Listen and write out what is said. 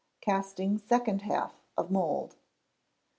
Casting Second Half of Mould.